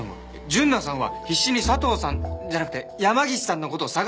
純奈さんは必死に佐藤さんじゃなくて山岸さんの事を捜してたんですよ。